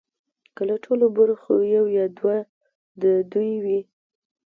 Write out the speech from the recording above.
که له ټولو برخو یو یا دوه د دوی وي